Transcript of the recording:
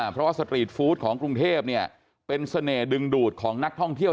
เพราะว่าสตรีทฟู้ดของกรุงเทพเป็นเสน่หดึงดูดของนักท่องเที่ยว